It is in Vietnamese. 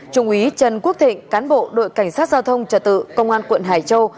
trung úy trần quốc thịnh cán bộ đội cảnh sát giao thông trả tự công an quận hải châu